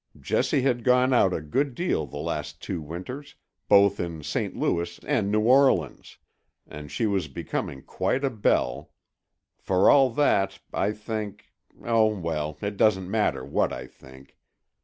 Jessie had gone out a good deal the last two winters, both in St. Louis and New Orleans, and she was becoming quite a belle. For all that, I think—oh, well, it doesn't matter what I think.